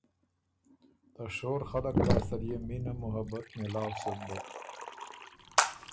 ته شور خلق لاسته ليې مینه محبت مېلاؤ سُک بُک،